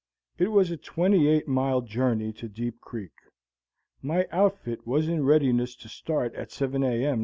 It was a twenty eight mile journey to Deep Creek. My outfit was in readiness to start at 7 a. m.